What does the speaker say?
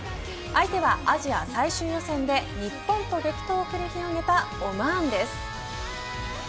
相手はアジア最終予選で日本と激闘を繰り広げたオマーンです。